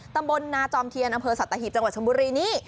ตำบลนาจอมเทียนอำเภอสัตหีบจังหวัดชมบุรีนี้